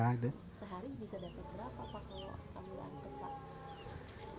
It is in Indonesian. sehari bisa dapat berapa pak kalau kamu angkot